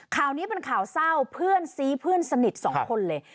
ข่าวนี้เป็นข่าวเศร้าเพื่อนซี้เพื่อนสนิทสองคนเลย